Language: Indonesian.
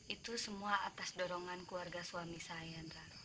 itu semua atas dorongan keluarga suami saya